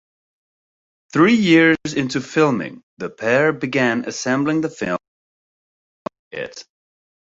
Three years into filming, the pair began assembling the film and editing it.